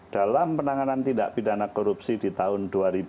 dalam penanganan tindak pidana korupsi di tahun dua ribu dua